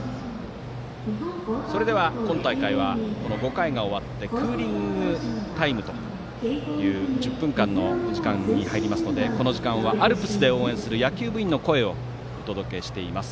それでは今大会は５回が終わってクーリングタイムという１０分間の時間に入りますのでこの時間はアルプスで応援する野球部員の声をお届けしています。